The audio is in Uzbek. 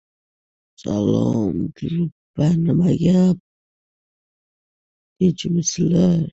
Uylan-da endi, birodar!